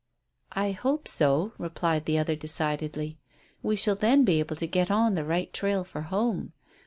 "I hope so," replied the other decidedly; "we shall then be able to get on the right trail for home.